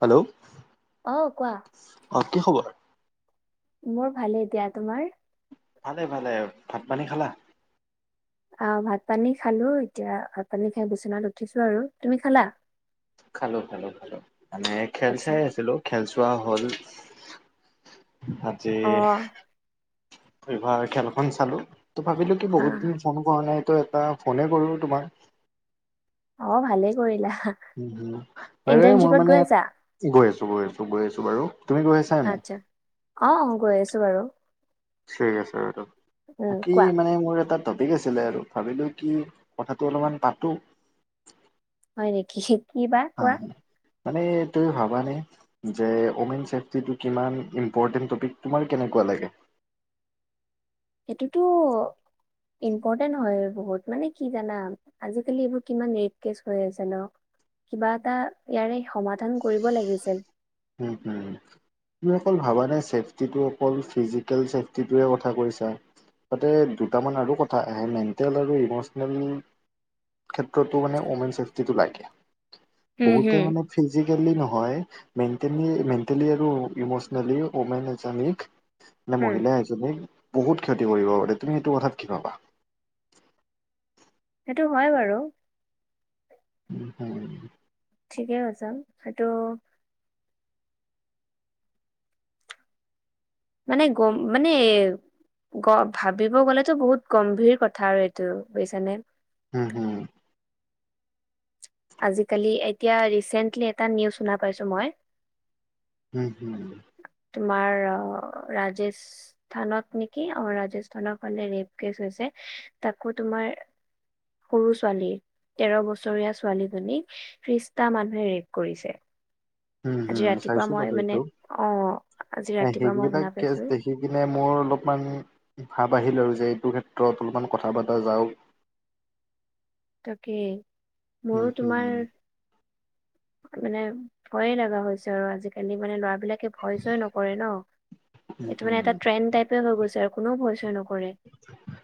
Hello অ' কোৱা অ' কি খবৰ? মোৰ ভালে দিয়া। তোমাৰ? ভালে-ভালে আৰু। ভাত পানী খালা? আহ, ভাত পানী খালোঁ, এতিয়া ভাত পানী খাই বিচনাত উঠিছোঁ আৰু। তুমি খালা? খালো-খালো-খালো, মানে খেল আচ্ছা চাই আছিলোঁ। খেল চোৱা হ'ল আজি অ এইবাৰ খেলখন চালো, ত' ভাবিলো কি হা বহুত দিন ফোন কৰা নাই টো এটা, ফোনে কৰো তোমাক। অ' ভালেই কৰিলা। উম' উম' বাইদেউ মোৰ ইন্টাৰ্ণশ্বিপত মানে গৈ আছা ইয়াত গৈ আছোঁ, গৈ আছোঁ, গৈ আছো বাৰু। তুমি গৈ আছা? নে নাই? আচ্ছা, অ' গৈ আছো বাৰু। ঠিক আছে বাৰু। উম বাকী কোৱা মানে মোৰ এটা টপিক আছিলে আৰু, ভাবিলো কি, কথাটো অলপমান পাতো। হয় নেকি কি বা কোৱা অ'হ মানে তুমি ভাবানে যে ওমেন ছেফট্ৰিতো কিমান ইম্পৰ্টেণ্ট টপিক তোমাৰ কেনেকোৱা লাগে? সেইটোতো ইম্পৰ্টেণ্ট হয় বহুত, মানে কি জানা? আজিকালি এইবোৰ কিমান ৰেপ' কেচ হৈ আছে ন'। কিবা এটা ইয়াৰে সমাধান কৰিব লাগিছিল। উম' হ'ম। তুমি অকল ভাবা নাই চেফটিটো অকল ফিজিকেল চেফটিটোৱে কথা কৈছা। তাতে দুটামান আৰু কথা আহে মেণ্টেল আৰু ইমচনেল। ক্ষেত্ৰটো মানে উমেন চেফটি টো লাগে হম বহুতে হম মানে ফিজিকেলি নহয়। মেন্টেলি- মেণ্টেলি আৰু ইমচনেলি ওমেন এজনীক মানে হম মহিলা এজনী। এজনীক বহুত ক্ষতি কৰিব পাৰে তুমি এইটো কথাত কি ভাবা? সেইটো হয় বাৰু। উম, হম। ঠিকেই কৈছা সেইটো মানে গম, মানে গ ভাবিব গ'লেতো বহুত গম্ভীৰ কথা আৰু এইটো বুজিছানে? উম হুম। আজিকালি এতিয়া ৰিচেন্টলি এটা নিউজ শুনা পাইছো মই। হুম-হুম। তোমাৰ অ', ৰাজেশ। স্থানত নেকি অ ৰাজস্থানৰ ফালে ৰেপ কেচ হৈছে তাকো তোমাৰ। সৰু ছোৱালী, তেৰ' বছৰীয়া ছো ছোৱালীজনীক ত্ৰিশটা মানুহে ৰেপ কৰিছে। উম আজি হুম ৰাতিপুৱা চাইছো মই বাৰু মানে এইটো অ আজি ৰাতিপুৱা মই শুনা সেইবিলাক পাইছো কেচ দেখ পিছদিনাই মোৰ অলপমান ভাৱ আহিলে আৰু যে এইটোৰ ক্ষেত্ৰত অলপমান কথা পাতা যাওক। তাকে, মোৰো তোমাৰ। যাওক মানে ভয়ে লগা হৈ হৈছে আৰু আজিকালি মানে ল'ৰাবিলাক। কে ভয় চয় নকৰে ন উম, এইটো মানে হুম এটা ট্ৰেণ্ড টাইপে হৈ গৈছে আৰু কোনেও ভয় চয় নক কৰে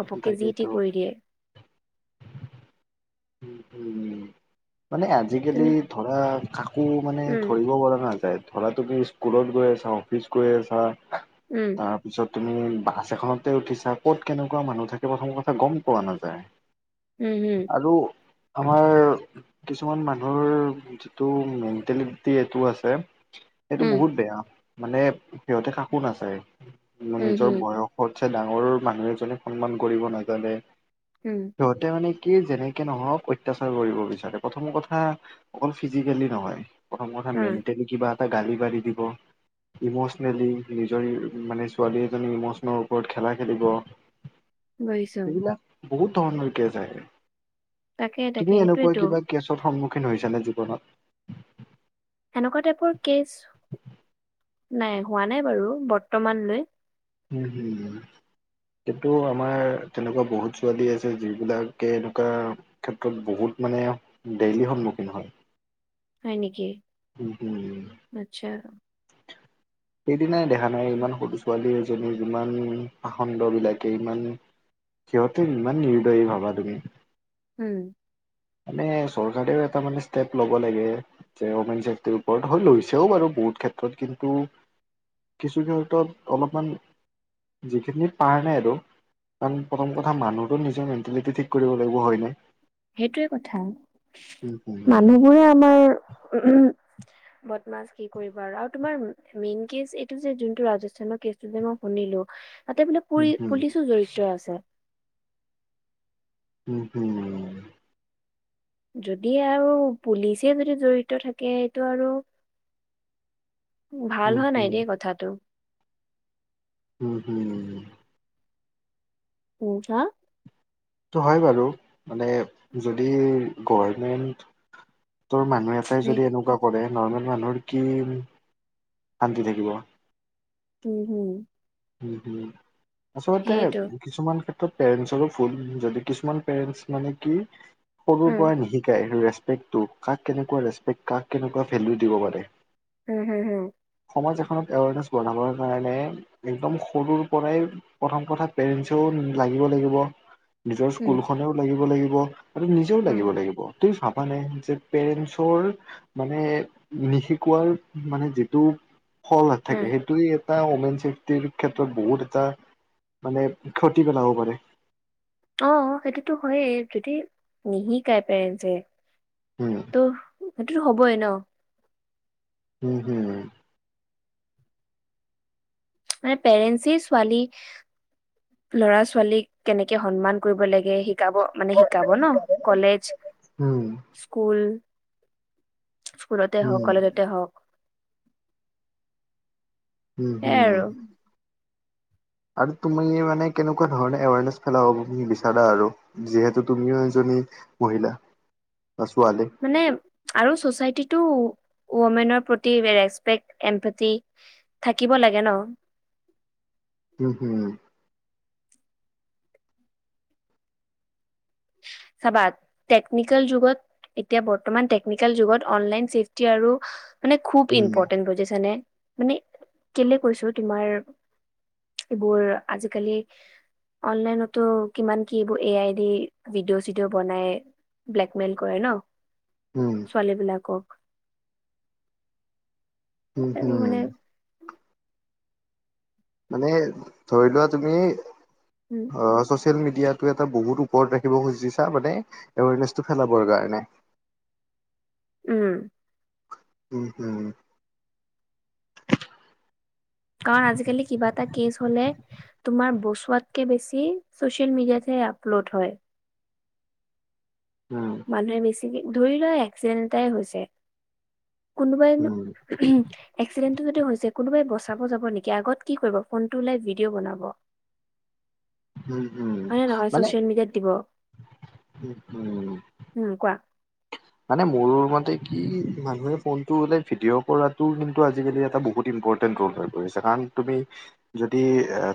ঘপকে তাকেইতো যিটি কৰি দিয়ে। উম মানে আ আজিকালি তুমি ধৰা, কাকো মানে উম ধৰিব পৰা নাযায়। ধৰা টো কি স্কুলত গৈ আছা অফিচ গৈ আছা তাৰ উম তাৰপিছত তুমি বাছ এখনতে উঠিছা ক'ত কেনেকুৱা মানুহ থাকে প্ৰথম কথা গম পোৱা নাযায়। [inaudible] উম হম। আৰু। আমাৰ। কিছুমান মানুহৰ যিটো মেণ্টেলিটি এইটো আছে। সেইটো উম বহুত বেয়া, মানে সিহঁতে কাকো নাচায়। উম নিজৰ হুম বয়স সতছে ডাঙৰ মানুহ এজনেক সন্মান কৰিব নাজানে। উম। সিহতে মানে কি, যেনে কে নহওক অত্যাচাৰ কৰিব বিচাৰে প্ৰথম কথা অকল ফিজিকেলি নহয়। প্ৰথম কথা উম মেন্টেল কিবা এটা গালি গালি দিব। ইম'চনেলি, নিজৰ এই মানে, ছোৱালী এজনী ইম'চনৰ ওপৰত খেলা খেলিব। বুজিছো সেইবিলাক বহুত ধৰণৰ কেছ আহে। তাকে তাকে তুমি এনেকুৱা সেইটোয়েতো কিবা কেছত সন্মুখীন হৈছানে জীৱনত? হেনেকুৱা টাইপৰ কেচ, নাই, হোৱা নাই বাৰু বৰ্তমানলৈ। হম হুম। এইটো আমাৰ তেনেকুৱা বহুত ছোৱালী আছে যিবিলাকে এনেকুৱা। ক্ষেত্ৰত বহুত মানে ডেইলি সন্মুখীন হয়। হয় নেকি? হুম হুম। আচ্ছা। সেইদিনাই দেখা নাই ইমান সৰু ছোৱালী এজনীৰ ইমান পাখন্দ বিলাকে ইমান সিহঁতে ইমান নিৰ্দয়ী ভাবা তুমি। হোম। মানে চৰকাৰেও এটা মানে ষ্টেপ ল'ব লাগে। যে ঔমেন চেফটিৰ ওপৰত হয় লৈছেও বাৰু বহুত ক্ষেত্ৰত কিন্তু কিছু ক্ষেত্ৰত অলপমান যিখিনি পাৰা নাই আৰু। কাৰণ প্ৰথম কথা মানুহটোৰ নিজৰ মেন্টেলিটি ঠিক কৰিব লাগিব, হয় নে? সেইটোৱে কথা, উম হম মানুহবোৰে আমাৰ উমহ বদমাছ কি কৰিবা আৰু, আৰু তোমাৰ মেইন কেচ এইটো যে যোনটো ৰাজস্থানৰ কেচ টো যে মই শুনিলোঁ তাতে বোলে পু উম হম পুলিচো জড়িত আছে। উম হোমম। যদি আৰু পুলিচে যদি জড়িত থাকে সেইটো আৰু ভাল উম হোৱা নাই হম দেই কথাটো। উম হোমম। পু হাঁ? সেইটো হয় বাৰু। মানে যদি গভৰ্মেণ্টৰ মানুহ এ এটাই হে যদি এনেকুৱা কৰে নৰ্মেল মানুহৰ কি শান্তি থাকিব। Um home. উম হোম, আচলতে সেইটো কিছুমান ক্ষেত্ৰ তো পেৰেঞ্চৰো ভুল যদি কিছুমান পেৰেঞ্চ মানে কি সৰুৰ উম পৰাই নিশিকাই ৰে পেকটো কাক কেনেকুৱা ৰেচপেক্ট কাক কেনেকুৱা ভেলো দিব পাৰে। উম হুম হুম। সমাজ এখনত এৱেৰনেছ বঢ়াবৰ কাৰণে একদম সৰুৰ পৰাই প্ৰথম কথা পেৰেঞ্চেও লাগিব লাগিব। নিজৰ উম স্কুলখনেও লাগিব লাগিব আৰু নিজেও উম লাগিব লাগিব। তুমি ভাবানে যে পেৰেঞ্চৰ মানে নিশিকোৱাৰ মানে যিটো ফল নাথাকে উম সেইটো এটা অমেন চেফ টিৰ ক্ষেত্ৰত বহুত এটা মানে ক্ষতি পেলাব পাৰে। অ সেইটোতো হয়ে যদি নিশিকাই পেৰেঞ্চে উম। তো সেইটোতো হ'বই ন'? উম হুম। মানে পেৰেঞ্চেই ছোৱালী ল'ৰা ছোৱালীক কেনেকে সন্মান কৰিব লাগে শিকাব মানে শি শিকাব নহ। কলেজ, উম স্কুল স্কুলতে হওঁক উম কলেজতে হওঁক। উম সেইয়াই হুম। আৰু আৰু তুমি মানে কেনেকুৱা ধৰণে এৱাৰনেছ ফেলাব বিচাৰা আৰু? যিহেতু তুমিও এজনী মহিলা বা ছোৱালী। মানে আৰু চচাইতিটো ওমেনৰ প্ৰতি ৰেচপেক্ট এমপথি থাকিব লাগে ন'? উম হুম। চাবা টেকনিকেল যুগত এতিয়া বৰ্তমান টেকনিকেল যুগত অনলাইন চেফটি আৰু মানে খুব উম ইম্পপৰ্টেণ্ট বুজিছানে মানে কেলে কৈছো তোমাৰ এইবোৰ আজি-কালি অনলাইনতো কিমান কি এইবোৰ এ আই ডি ভিডিঅ' চিডিঅ' বনাই ব্লেকমেইল কৰে ন। উম' ছোৱালী বিলাকক উম মানে হুম মানে ধৰি লোৱা তুমি হু অ ছ'চিয়েল মিডিয়াটো এটা বহুত ওপৰত ৰাখিব খুজিছা মানে এৱেৰনেছটো ফেলাবৰ কাৰণে। উম'। উম হুম উম কাৰণ আজি-কালি কিবা এটা কেছ হ'লে তোমাৰ বচোৱাতকে বেছি ছ'চিয়েল মিডিয়াতহে আপলোড হয়। উম' মানুহে বেছিকে ধৰি লোৱা এক্সিডেণ্ট এটাই হৈছে কোনোবাই নো উম এক্সিডেণ্টো যদি হৈছে কোনোবাই বচাব যাব নেকি আগত কি কৰিব ফোনটো ওলাই ভিডিঅ' বনাব হয় উম উম নে নহয় মানে ছ'চিয়েল মিডিয়াত দিব। উম' উম'। উম' কোৱা মানে মোৰ মতে কি মানুহে ফোনটো হ'লে ভিডিঅ' কৰাতো কিন্তু আজি-কালি এটা বহুত ইম্প- টেণ্ট হৈ পৰিছে কাৰণ তুমি যদি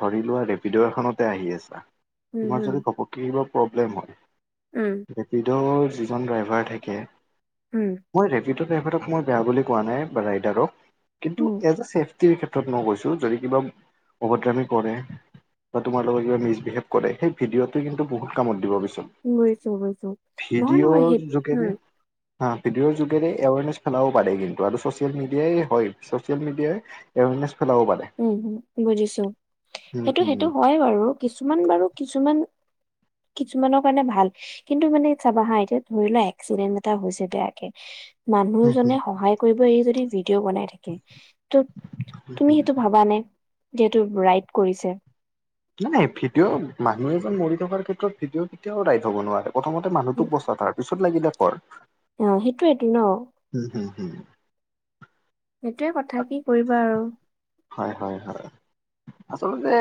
ধৰি লোৱা ৰেপিড' এখনতে আহি আছা উম তোমাৰ হম যদি ঘপককে কিবা প্ৰব্লেম হয় উম ৰেপিডোৰ যিজন ড্ৰাই- ভাৰ থাকে উম মই ৰেপিডো' ড্ৰাইভাৰক মই বেয়া বুলি কোৱা নাই ৰাইডাৰক কিন্তু উম এজে ছেফটি টিৰ ক্ষেত্ৰত মই কৈছো যদি কিবা অভদ্ৰামি কৰে বা তোমাৰ লগত কিবা মিছবিহেভ কৰে সেই ভিডিঅ'টো কিন্তু বহুত কামত দিব পিছত। গৈছো গৈছো নহয় নহয় ভিডিঅ'ৰ সেইটো উম [unintelligible] হা। ভিডিঅ'ৰ যোগেৰে এৱাৰনেছ ফেলাও পাৰে কিন্তু আৰু ছ'চিয়েল মিডিয়াই হয় ছ'চিয়েল মিডিয়াই, এৱাৰনেছ ফেলাব পাৰে। উম হম বুজিছো উম সেইটো হুম সেইটো হয় বাৰু কিছুমান বাৰু কিছুমান কিছুমানৰ কাৰণে ভাল। কিন্তু মানে চাবা হা এতিয়া ধৰি লোৱা এক্সিডেন্ট এটা হৈছে বেয়াকে হুম হুম মানুহজনে সহায় কৰিব এৰি যদি ভিডিঅ' বনাই থাকে তো হুম তুমি হুম। ভাৱা নে, যিহেতু ৰাইত কৰিছে নাই ভিডিঅ' মানুহ এজন মৰি থকাৰ ক্ষেত্ৰত ভিডিঅ' কেতিয়াও ৰাইত হ'ব নোৱাৰে। প্ৰথমতে মানুহটোক বচা তাৰ পিছত লাগিলে কৰ। অ সেইটোৱেটো ন উম হুম হুম সেইটোৱে কথা কি কৰিবা আৰু। হয় হয় হয় আচলতে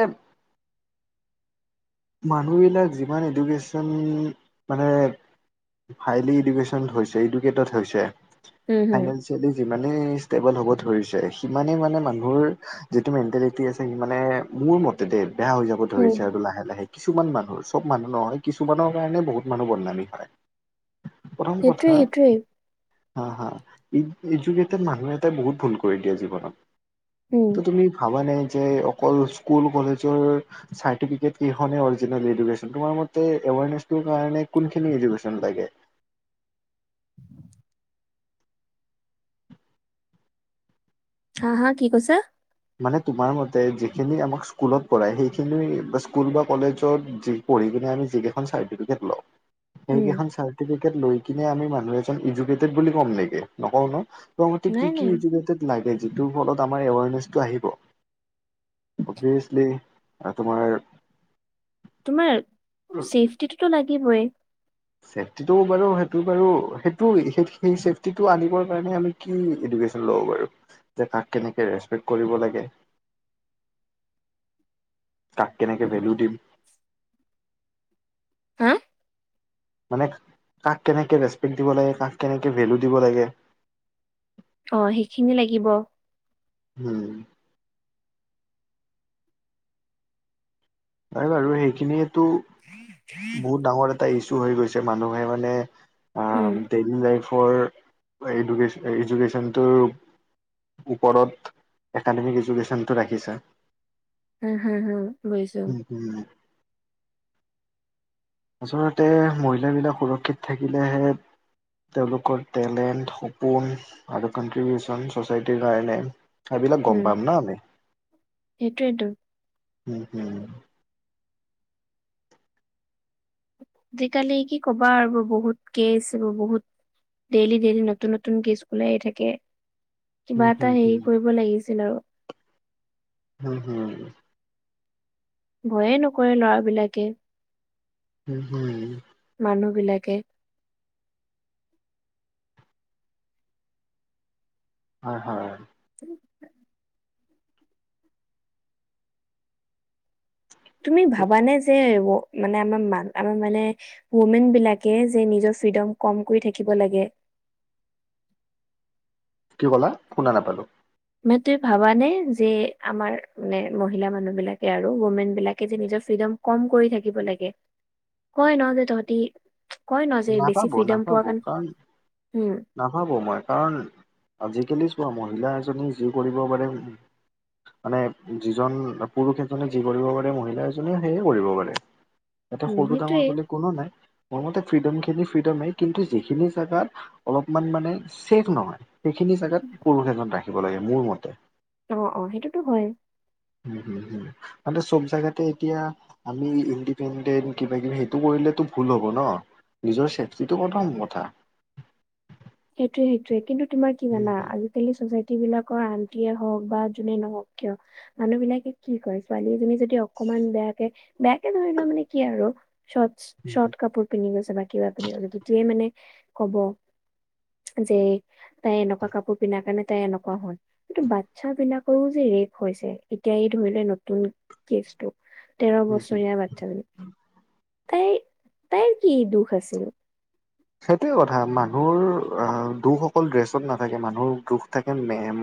মানুহবিলাক যিমান এডুকেছন মানে হাইলী এডুকেশ্বন হৈছে এডুকেতেট হৈছে উম হম ফাইনেন্স সেইটো যিমানেই ষ্টেবল হ'ব ধৰিছে সিমানেই মানে মানুহৰ যিটো মেণ্টেলিটি আছে সি মানে মোৰ মতে দেই বেয়া হৈ যাব ব উম ধৰিছে আৰু লাহে-লাহে কিছুমান মানুহ চব মানুহ নহয় কিছুমানৰ কাৰণে বহুত মানুহ বদনামী হয় প্ৰথম সেইটোয়ে কথা সেইটোয়ে হা হা ই ইজোকেটেত মানুহ এইটো বহুত ভুল কৰে দিয়ে জীৱনত। উম ত তুমি ভাবা নে, যে অকল স্কুল কলেজৰ চাৰ্টিফিকেট কি এখনে অৰিজিনেল এডুকেছন তোমাৰ মতে এৱাৰনেছটোৰ কাৰণে কোনখিনি এডুকেছন লাগে [unintelligible] হা, হা কি কৈছে? মানে তোমাৰ মতে যিখিনি আমাক স্কুলত পঢ়ায় সেইখিনি বা স্কুল বা কলেজত যি পঢ়ি কিনে আমি যিকেইখন চাৰ্টিফিকেট লওঁ উম সেইকেইখন চাৰ্টিফিকেট লৈ কিনে আমি মানুহ এজন এডুকেটেডেত বুলি কম নেকি নকওঁ ন তোৰ মতে কি নাই কি নাই এডুকেডেত লাগে যিটোৰ ফলত আমাৰ এৱাৰনেচ টো আহিব। অবিয়েচলি তোমাৰ তোমাৰ ছেফটিটোতো লাগিবই চেফটিটো বাৰু সেইটো বাৰু সেইটো সেই সেই চেফটিটো আনিবৰ কাৰণে আমি কি এডুকেশ্যন ল'ব বাৰু যে কাক কেনেকে ৰেচপেক্ট কৰিব লাগে কাক কেনেকে ভেলু দি- হুউ মানে কাক কেনেকে ৰেচপেক্ট দিব লাগে কাক কেনেকে ভেলু দিব লাগে অ সেইখিনি লাগিব উম নাই বাৰু সেইখিনিয়েটো বহুত ডাঙৰ এটা ই- ছু হৈ গৈছে মানুহে মানে আ উম ডেইলী লাইফৰ এডুকেছ এডুকেশ্যনটো ওপৰত একাডেমিক এডুকেশ্যনটো ৰাখিছা উম হম হুম বুজিছোঁ। উম, উম আচলতে মহিলাবিলাক সুৰক্ষিত থাকিলেহে তেওঁলোকৰ টেলেণ্ট, সপোন আৰু কনট্ৰিবিউচন ছ'চাইটিৰ কাৰণে সেইবিলাক গম উম পাম ন আমি সেইটোয়েতো উম উম আজি-কালি কি ক'বা আৰু বহুত কেছ এবোৰ বহুত ডেইলি ডেইলি নতুন নতুন কেছ ওলাই থাকে কিবা হুম, এটা হুম, হেৰি হুম। কৰিব লাগিছিল আৰু উম উম ভয়ে নকৰে ল'ৰাবিলাকে উম উম মানুহ বিলাকে হয় হয় উ তুমি কি ভাবানে যে এবোৰ মানে আমাৰ মান আমাৰ মানে ওমেন বিলাকে যে নিজৰ ফ্ৰীডম কম কৈ থাকিব লাগে কি ক'লা শুনা নাপালো মান তুমি ভাবানে যে আমাৰ মানে মহিলা মানুহ বিলাকে আৰু ওমেন বিলাকে যে নিজৰ ফ্ৰীডম কম কৰি থাকিব লাগে। কয় ন' যে, তহঁতি কয় ন' যে, বেছি নাপাব, ফ্ৰীডম পোৱা কাৰণে। উম! নাভাবোঁ মই। কাৰণ, আজিকালি চোৱা! মহিলা এজনী যি কৰিব পাৰে বুলি। মানে, যিজন, পুৰুষে এজনে, যি কৰিব পাৰে, মহিলা এজনে সেয়ে কৰিব পাৰে। ইয়াতে উম সৰু-ডাঙৰ সেইটোয়ে বুলি কোনো নাই। মোৰ মতে, ফ্ৰীডম খিনি, ফ্ৰীডমেই। কিন্তু, যিখিনি জাগাত অলপমান মানে, ছেফ নহয়। সেইখিনি জোগাত পুৰুষ এজন ৰাখিব লাগে, মোৰ মতে। অ' অ'! সেইটোতো হয়! [unintelligible] মানে চব জোগাতে এতিয়া, আমি, ইণ্ডিপেণ্ডেণ্ট। কিবা-কিবি সেইটো কৰিলেতো ভুল হ'ব ন'! নিজৰ চেফটিটো প্ৰথম কথা। সেইটোৱে, সেইটোৱে! কিন্তু, তোমাৰ কি জানা! আ আজিকালি, ছ'চাইটি বিলাকৰ আন্টিয়ে হওঁক বা যোনে নহওঁক কিয়, মানুহ বিলাকে কি কয়! ছোৱালীজনী যদি অকমান বেয়াকে বেয়াকে ধৰিলোৱা মানে, কি আৰু চৰ্ট স্বৰ্ট কাপোৰ পিন্ধি গৈছে বা কিবা পিন্ধি গৈছে, তেতিয়াই মানে ক'ব। যে, তাই এনেকুৱা কাপোৰ পিন্ধাৰ কাৰণে, তাই এনেকুৱা হ'ল। কিন্তু, বাচ্ছা বিলাকৰো যে ৰেপ হৈছে। এতিয়া, এই ধৰি লোৱা নতুন। কেছটো? তেৰ বছৰীয়া বা [unintelligible] তাই তাইৰ কি দুখ আছিল? সেইটোৱে কথা! মানুহৰ আঁ দুখ অকল ড্ৰেছত নাথাকে, মানুহৰ দুখ থাকে, [unintelligible]